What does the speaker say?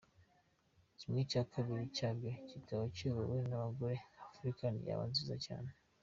Kimwe cya kabiri cya byo kibaye kiyobowe n’abagore, Africa yaba nziza cyane.